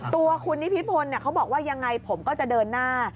ตัวคุณนิพิพลเขาบอกว่ายังไงผมก็จะเดินหน้า